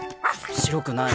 黒くない！